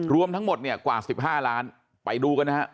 รวมทั้งหมดกว่า๑๕ล้านไปดูกันนะครับ